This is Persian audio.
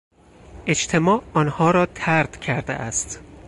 اجتماع آنها را طرد کرده است.